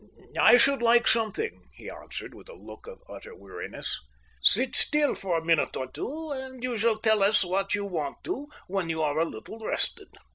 "I should like something," he answered, with a look of utter weariness. "Sit still for a minute or two, and you shall tell us what you want to when you are a little rested."